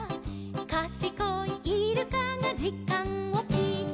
「かしこいイルカがじかんをきいた」